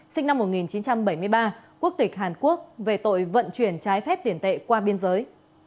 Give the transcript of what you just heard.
sinh năm một nghìn chín trăm bảy mươi ba quốc tịch hàn quốc về tội vận chuyển trái phép tiền tệ qua biên giới